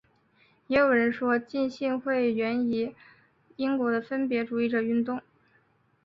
也有人说浸信会源于英国的分别主义者运动。